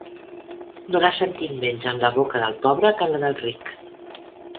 No la sentim menys en la boca del pobre que en la del ric.